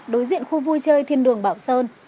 đối diện khu vui chơi thiên đường bảo sơn